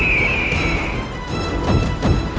jangan berani kurang ajar padaku